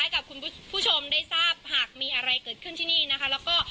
กับคุณผู้ชมได้ทราบหากมีอะไรเกิดขึ้นที่นี่นะคะแล้วก็